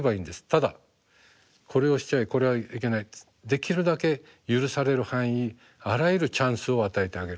ただ「これをしちゃこれはいけない」できるだけ許される範囲あらゆるチャンスを与えてあげること。